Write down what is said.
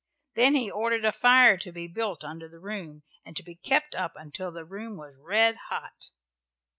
Then he ordered a fire to be built under the room, and to be kept up until the room was red hot.